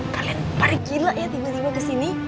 kalian tarik gila ya tiba tiba kesini